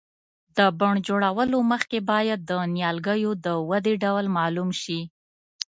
د بڼ جوړولو مخکې باید د نیالګیو د ودې ډول معلوم شي.